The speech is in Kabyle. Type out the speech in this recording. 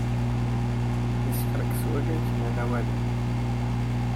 Iskarkes walli ak-innan awal-a.